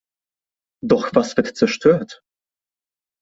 Doch was wird zerstört?